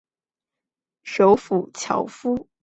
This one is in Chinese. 首府焦夫。